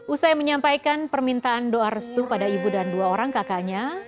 usai menyampaikan permintaan doa restu pada ibu dan dua orang kakaknya